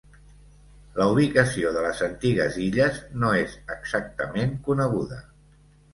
La ubicació de les antigues illes no és exactament coneguda.